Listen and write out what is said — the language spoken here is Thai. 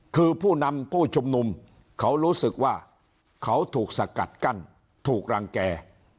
คือผู้นำผู้ชุมนุมเขารู้สึกว่าเขาถูกสกัดกั้นถูกรังแก่